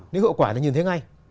nếu hiệu quả thì nhìn thấy ngay